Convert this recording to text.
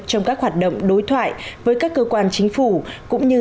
trong các hoạt động đối thoại với các cơ quan chính phủ